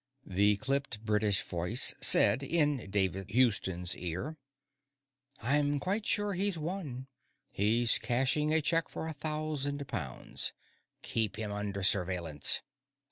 _ The clipped British voice said, in David Houston's ear, _I'm quite sure he's one. He's cashing a check for a thousand pounds. Keep him under surveillance.